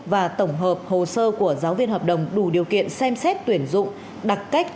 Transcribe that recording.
và tổng hợp hồ sơ của giáo viên hợp đồng đủ điều kiện xem xét tuyển dụng đặc cách